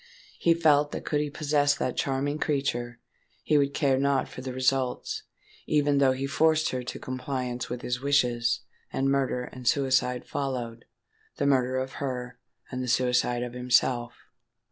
He felt that could he possess that charming creature, he would care not for the result—even though he forced her to compliance with his wishes, and murder and suicide followed,—the murder of her, and the suicide of himself!